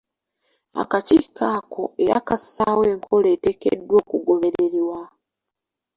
Akakiiko ako era kassaawo enkola eteekeddwa okugobererwa.